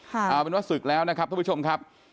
เอาเป็นว่าศึกแล้วนะครับทุกผู้ชมครับ